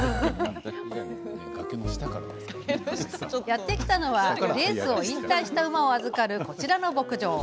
やって来たのはレースを引退した馬を預かるこちらの牧場。